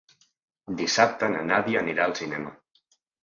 Dissabte na Nàdia anirà al cinema.